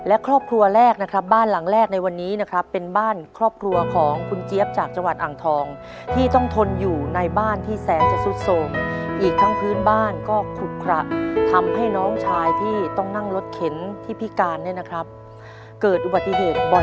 และครอบครัวแรกนะครับบ้านหลังแรกในวันนี้นะครับเป็นบ้านครอบครัวของคุณเจี๊ยบจากจังหวัดอ่างทองที่ต้องทนอยู่ในบ้านที่แสนจะสุดโสมอีกทั้งพื้นบ้านก็ขุดขระทำให้น้องชายที่ต้องนั่งรถเข็นที่พิการเนี่ยนะครับเกิดอุบัติเหตุบ่อย